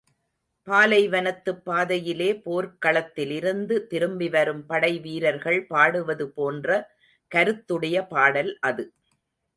பாலைவனத்துப் பாதையிலே போர்க்களத்திலிருந்து திரும்பி வரும் படைவீரர்கள் பாடுவது போன்ற கருத்துடைய பாடல் அது.